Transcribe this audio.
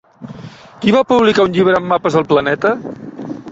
Qui va publicar un llibre amb mapes del planeta?